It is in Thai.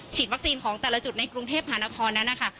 วัคซีนของแต่ละจุดในกรุงเทพหานครนั้นนะคะ